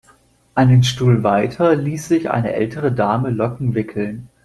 Einen Stuhl weiter ließ sich eine ältere Dame Locken wickeln.